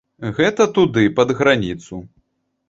Гэта туды, пад граніцу.